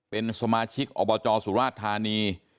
เป็นสมาชิกอบจสุราชธานี